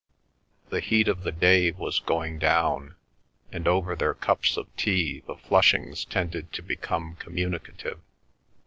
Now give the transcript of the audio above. The heat of the day was going down, and over their cups of tea the Flushings tended to become communicative.